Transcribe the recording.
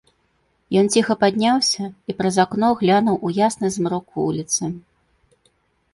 Ён ціха падняўся і праз акно глянуў у ясны змрок вуліцы.